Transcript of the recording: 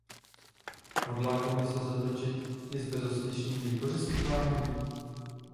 Hodlá Komise zatočit i s bezostyšným vykořisťováním?